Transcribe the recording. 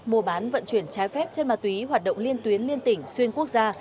mua bán vận chuyển trái phép trên ma túy hoạt động liên tuyến liên tỉnh xuyên quốc gia